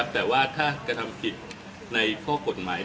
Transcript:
แต่ว่าถ้ากระทำผิดในข้อกฎหมาย